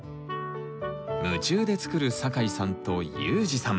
夢中で作る酒井さんとユージさん。